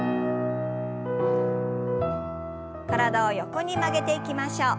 体を横に曲げていきましょう。